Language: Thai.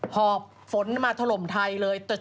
พอผลมาถล่มไทยเลย